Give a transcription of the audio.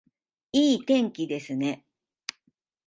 いい天気ですね